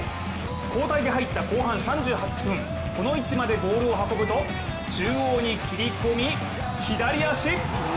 交代で入った後半３８分この位置までボールを運ぶと中央に切り込み、左足！